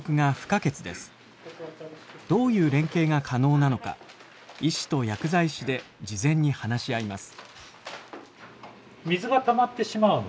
どういう連携が可能なのか医師と薬剤師で事前に話し合います。